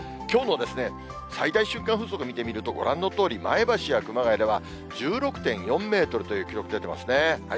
きょうの最大瞬間風速見てみると、ご覧のとおり、前橋や熊谷では１６．４メートルという記録出てますね。